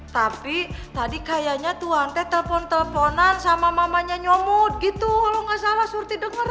tapi tadi kayaknya tuh ante telpon telponan sama mamanya nyomot gitu kalo gak salah surti denger